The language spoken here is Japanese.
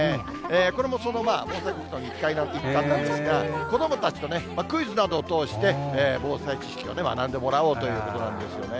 これもそのぼうさいこくたいの一環なんですが、子どもたちとね、クイズなどを通して、防災知識を学んでもらおうということなんですよね。